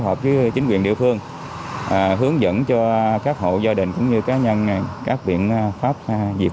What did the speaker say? động với chính quyền địa phương hướng dẫn cho các hộ gia đình cũng như cá nhân các viện pháp diệt